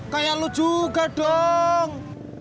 kayak lu juga dong